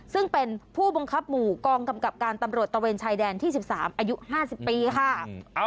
ซึ่งเป็นผู้บังคับหมู่กองกำกับการตำรวจตะเวนชายแดนที่๑๓อายุ๕๐ปีค่ะ